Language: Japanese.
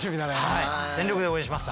はい全力で応援します。